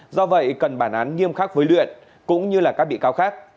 do vậy cần bản án nghiêm khắc với luyện cũng như các bị cáo khác